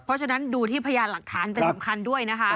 เพราะฉะนั้นดูที่พยานหลักฐานจะสำคัญด้วยนะคะ